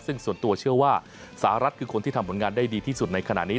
ซึ่งส่วนตัวเชื่อว่าสหรัฐคือคนที่ทำผลงานได้ดีที่สุดในขณะนี้